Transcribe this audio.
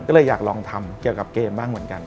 ก็เลยอยากลองทำเกี่ยวกับเกมบ้างเหมือนกัน